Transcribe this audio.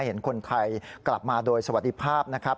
เห็นคนไทยกลับมาโดยสวัสดีภาพนะครับ